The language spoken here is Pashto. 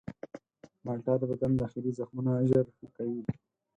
مالټه د بدن داخلي زخمونه ژر ښه کوي.